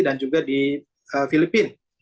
dan juga di filipina